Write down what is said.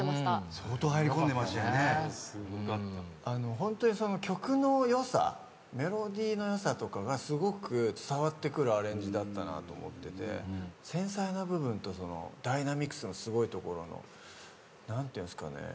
ホントに曲の良さメロディーの良さとかがすごく伝わってくるアレンジだったなと思ってて繊細な部分とダイナミクスのすごいところの何ていうんすかね。